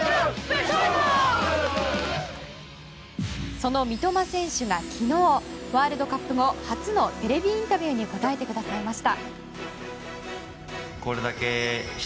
その三笘選手が昨日、ワールドカップ後初のテレビインタビューに答えてくれました。